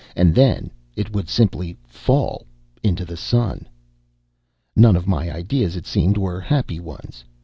And then it would simply fall into the sun. None of my ideas, it seemed, were happy ones.